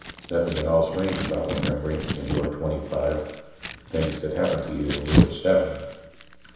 Nothing at all strange about remembering, when you are twenty five, the things that happened to you when you were seven